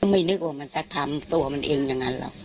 ไม่นึกว่ามันจะทำตัวมันเองอย่างนั้นหรอก